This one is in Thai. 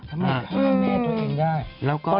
ทำไมทำให้แม่ตัวเองได้